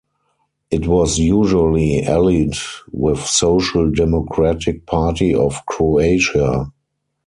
It was usually allied with Social Democratic Party of Croatia.